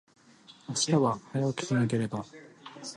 明日は、早起きしなければ。